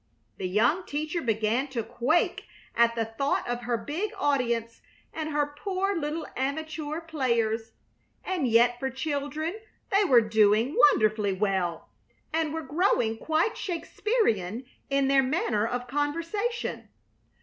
The young teacher began to quake at the thought of her big audience and her poor little amateur players; and yet for children they were doing wonderfully well, and were growing quite Shakespearian in their manner of conversation.